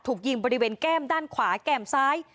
ถูกยิงบริเวณแก้มด้านขวาแก้มซ้าย